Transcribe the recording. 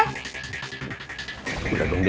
apa nih udah